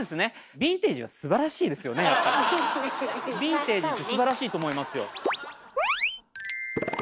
「ヴィンテージ」ってすばらしいと思いますよ。